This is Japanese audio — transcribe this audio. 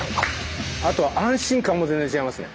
あと安心感も全然違いますね。